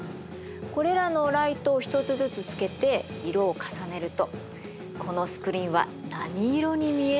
これらのライトを一つずつつけて色を重ねるとこのスクリーンは何色に見えるのか？